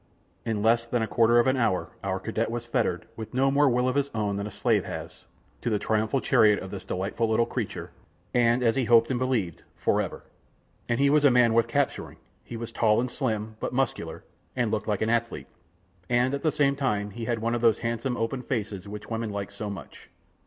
In less than a quarter of an hour, our cadet was fettered, with no more will of his own than a slave has, to the triumphal chariot of this delightful little creature, and as he hoped and believed for ever. And he was a man worth capturing. He was tall and slim, but muscular, and looked like an athlete, and at the time he had one of those handsome, open faces which women like so much.